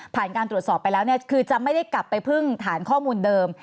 การตรวจสอบไปแล้วเนี่ยคือจะไม่ได้กลับไปพึ่งฐานข้อมูลเดิม